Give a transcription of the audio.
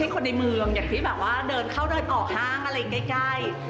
ก็ต้องอยู่กับสามีอะไรอย่างนี้